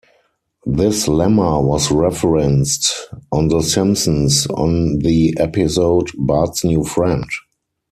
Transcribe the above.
This lemma was referenced on The Simpsons on the episode "Bart's New Friend".